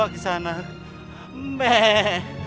saya tidak ingin menjadi domba kisanak